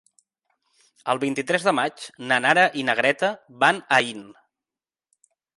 El vint-i-tres de maig na Nara i na Greta van a Aín.